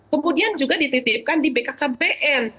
kemudian juga dititipkan di bkkbn